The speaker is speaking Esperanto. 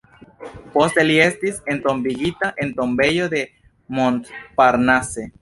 Poste li estis entombigita en tombejo de Montparnasse.